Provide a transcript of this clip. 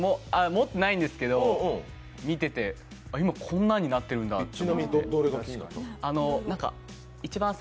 持ってないんですけど見ていて今、こんなになってるんだって。